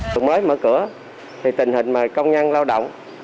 trường mới mở cửa thì tình hình công nhân lao động